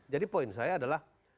jadi poin saya adalah